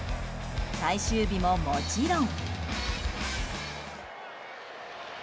最終日も、もちろん。